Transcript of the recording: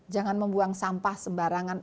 jangan membuang sampah sebarangan